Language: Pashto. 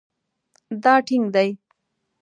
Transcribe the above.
دا ټینګ دی